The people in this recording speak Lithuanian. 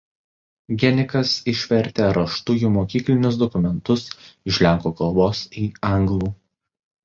Genikas išvertė raštu jų mokyklinius dokumentus iš lenkų kalbos į anglų.